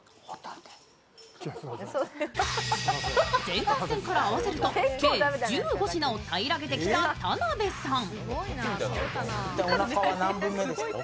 前半戦からあわせると計１５品を平らげてきた田辺さん。